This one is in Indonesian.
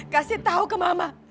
kasih tahu ke mama